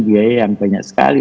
biaya yang lebih baik